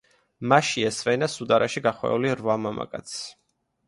მასში ესვენა სუდარაში გახვეული რვა მამაკაცი.